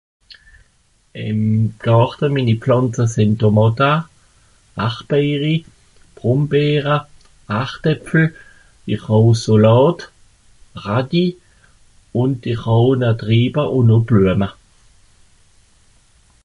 Ìm Gàrte mini Pflànze sin Tomàta, Arbeeri, Brumbeera, Artäpfel. Ìch hà o Sàlàt, Radi, und ìch hàà au no Trieba un o Blüama.